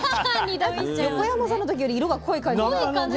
横山さんの時より色が濃い感じが。